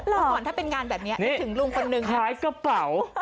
หรอถ้าเป็นงานแบบนี้ถึงลุงคนหนึ่งนี่ขายกระเป๋า